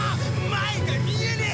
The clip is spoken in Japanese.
前が見えねえ！